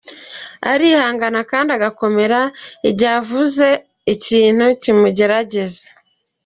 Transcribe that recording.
Arihangana cyane kandi agakomera igihe ahuye n’ikintu kimugerageza.